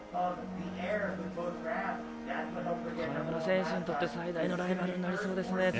川村選手にとって最大のライバルとなりそうですね。